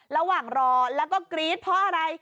ระหว่างรอแล้วก็กรี๊ดเพราะอะไร